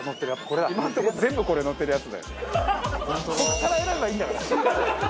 ここから選べばいいんだから。